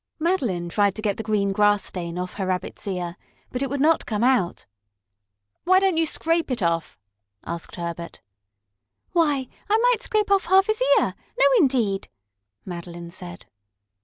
Madeline tried to get the green grass stain off her Rabbit's ear, but it would not come out. "Why don't you scrape it off?" asked Herbert. "Why, I might scrape off half his ear! No, indeed!" Madeline said.